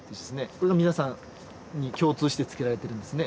これが皆さんに共通して付けられてるんですね。